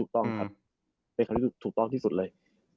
เป็นคำนี้ถูกต้องที่สุดเลย